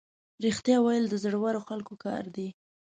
رښتیا ویل د زړورو خلکو کار دی.